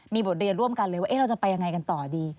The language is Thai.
มีบทเรียนร่วมกันเลยว่าเราจะไปยังไงกันต่อดี